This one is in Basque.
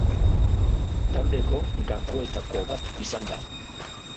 Taldeko gakoetako bat izan da.